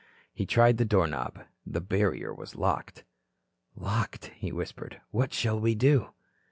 He tried the door knob. The barrier was locked. "Locked," he whispered. "What shall we do?"